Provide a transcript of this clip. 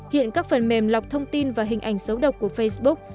hiện các phần mềm lọc thông tin và hình ảnh xấu độc của facebook